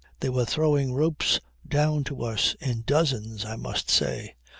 They were throwing ropes down to us in dozens, I must say.